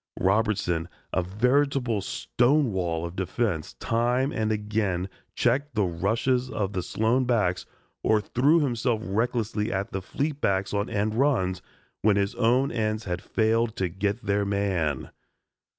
Robertson, a veritable stonewall of defense, time and again checked the rushes of the Sloan backs or threw himself recklessly at fleet backs on end runs when his own ends had failed to "get their man."